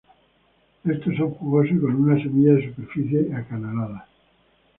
Estos son jugosos y con una semilla de superficie acanalada.